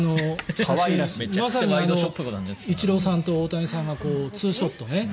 まさにイチローさんと大谷さんがツーショットね。